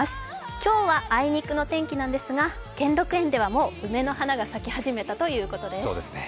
今日はあいにくの天気なんですが兼六園ではもう梅の花が咲き始めたということです。